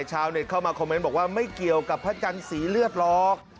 ชาวเน็ตเข้ามาคอมเมนต์บอกว่าไม่เกี่ยวกับพระจันทร์สีเลือดหรอก